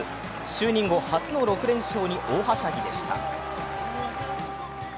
就任後初の６連勝に大はしゃぎでした。